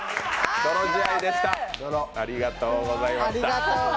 ありがとうございます。